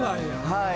はい。